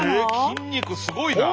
筋肉すごいな。